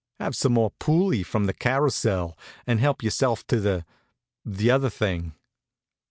Have some more pulley from the carrousell and help yourself to the the other thing."